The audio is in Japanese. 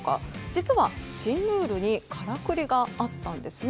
実は、新ルールにからくりがあったんですね。